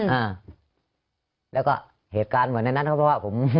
อ่าแล้วก็เหตุการณ์เหมือนในนั้นก็เพราะว่าผม